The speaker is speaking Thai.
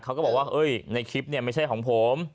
เขาก็บอกว่าเฮ้ยในคลิปเนี่ยไม่ใช่ของผม